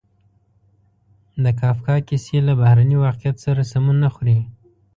د کافکا کیسې له بهرني واقعیت سره سمون نه خوري.